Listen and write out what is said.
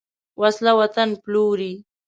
وسله وطن پلوروي